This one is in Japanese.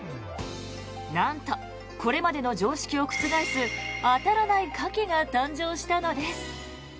なんとこれまでの常識を覆すあたらないカキが誕生したのです。